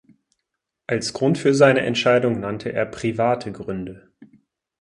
Als Grund für seine Entscheidung nannte er "private Gründe".